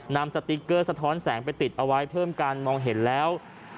สติ๊กเกอร์สะท้อนแสงไปติดเอาไว้เพิ่มการมองเห็นแล้ว